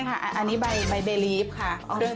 อันนี้ใบบลิฟอยู่เหมือนตัก